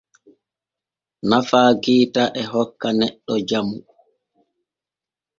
Nafa geeta e hokka neɗɗo jamu.